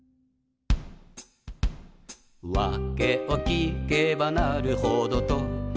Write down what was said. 「わけを聞けばなるほどと」